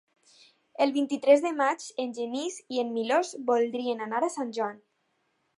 El vint-i-tres de maig en Genís i en Milos voldrien anar a Sant Joan.